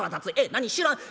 何知らん？